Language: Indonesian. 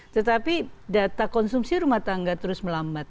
tetapi data konsumsi rumah tangga terus melambat